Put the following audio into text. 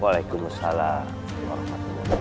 wa'alaikumussalam warahmatullah wabarakatuh